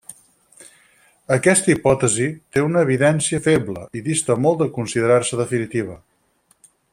Aquesta hipòtesi té una evidència feble, i dista molt de considerar-se definitiva.